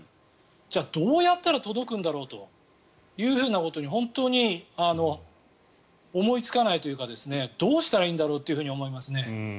じゃあどうやったら届くんだろうということに本当に思いつかないというかどうしたらいいんだろうって思いますね。